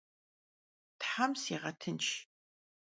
Them şiğetınşş!